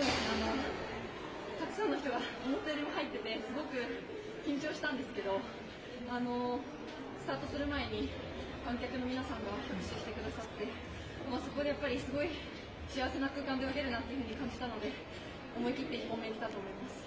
たくさんの人が思ったより入っててすごく緊張したんですがスタートする前に観客の皆さんが拍手してくださってそこで、すごい幸せな空間で泳げるなと感じたので思い切って１本目行けたと思います。